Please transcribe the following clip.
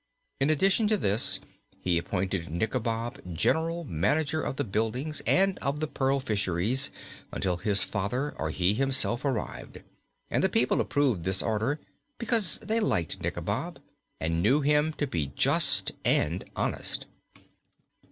In addition to this, he appointed Nikobob general manager of the buildings and of the pearl fisheries, until his father or he himself arrived, and the people approved this order because they liked Nikobob and knew him to be just and honest.